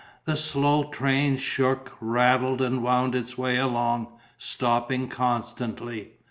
The slow train shook, rattled and wound its way along, stopping constantly.